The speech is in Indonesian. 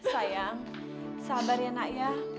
sayang sabar ya nak ya